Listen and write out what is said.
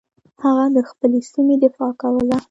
هغه د خپلې سیمې دفاع کوله.